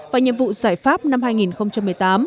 và nhiệm vụ giải pháp năm hai nghìn một mươi tám